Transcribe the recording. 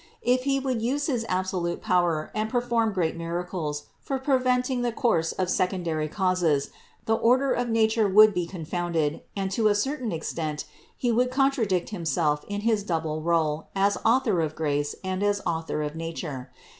If He would use his absolute power and per form great miracles for preventing the course of sec ondary causes, the order of nature would be confounded, and to a certain extent He would contradict Himself in his double role as Author of grace and as Author of nature.